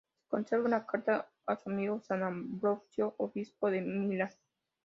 Se conserva una carta a su amigo San Ambrosio, obispo de Milán.